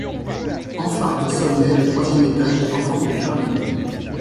Enfin au sommet le troisième étage est en forme de pyramide.